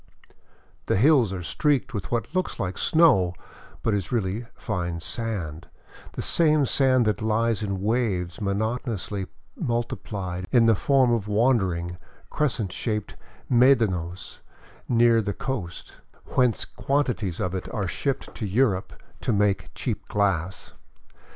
The hills are streaked with what 482 THE COLLASUYU, OR " UPPER " PERU looks like snow, but is really fine sand, the same sand that lies in waves monotonously multiplied in the form of wandering, crescent shaped medanos nearer the coast, whence quantities of it are shipped to Europe to make a cheap glass.